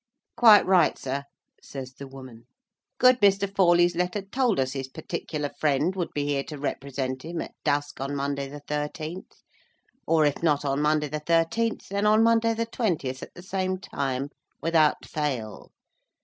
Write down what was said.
"Quite right sir," says the woman. "Good Mr. Forley's letter told us his particular friend would be here to represent him, at dusk, on Monday the thirteenth—or, if not on Monday the thirteenth, then on Monday the twentieth, at the same time, without fail.